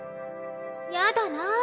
やだなぁ